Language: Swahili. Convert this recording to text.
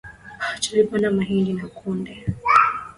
Tulipanda mahindi na kunde